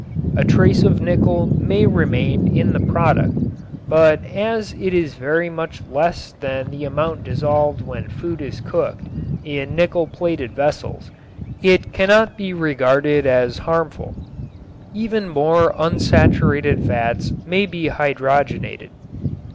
A trace of nickel may remain in the product, but as it is very much less than the amount dissolved when food is cooked in nickel plated vessels it cannot be regarded as harmful. Even more unsaturated fats may be hydrogenated.